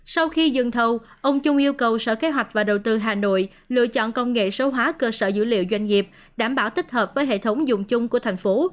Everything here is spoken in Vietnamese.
sau khi dừng thầu ông chung yêu cầu sở kế hoạch và đầu tư hà nội lựa chọn công nghệ số hóa cơ sở dữ liệu doanh nghiệp đảm bảo tích hợp với hệ thống dùng chung của thành phố